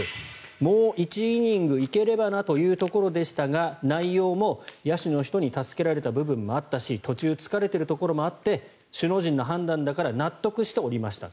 もう１イニング行ければなというところでしたが内容も野手の人に助けられた部分もあったし途中、疲れているところもあって首脳陣の判断なので納得して降りました。